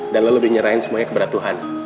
dan lo lebih nyerahin semuanya kepada tuhan